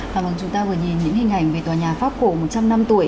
và chúng ta vừa nhìn những hình ảnh về tòa nhà pháp cổ một trăm linh năm tuổi